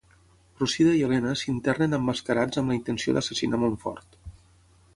Procida i Elena s'internen emmascarats amb la intenció d'assassinar Montfort.